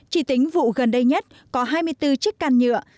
chỉ tính vụ gần đây nhất có hai mươi bốn chiếc can nhựa